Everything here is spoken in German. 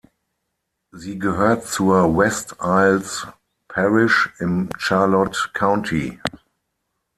Sie gehört zur West Isles Parish im Charlotte County.